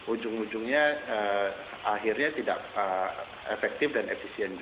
ujung ujungnya akhirnya tidak efektif dan efisien